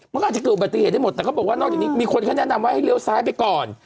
มันก็อาจจะเกิดอุบัติเหตุได้หมดแต่เขาบอกว่านอกจากนี้มีคนเขาแนะนำว่าให้เลี้ยวซ้ายไปก่อน